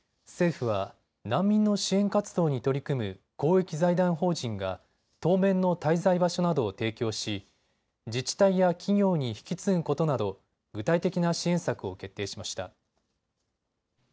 政府は難民の支援活動に取り組む公益財団法人が当面の滞在場所などを提供し自治体や企業に引き継ぐことなど具体的な支援策を決定しました。